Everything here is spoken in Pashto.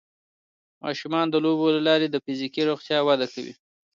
ماشومان د لوبو له لارې د فزیکي روغتیا وده کوي.